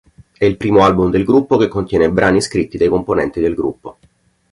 È il primo album del gruppo che contiene brani scritti dai componenti del gruppo.